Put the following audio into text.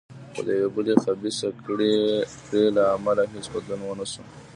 خو د یوې بلې خبیثه کړۍ له امله هېڅ بدلون ونه شو.